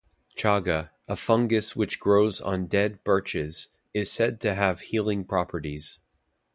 Chaga, a fungus which grows on dead birches, is said to have healing properties.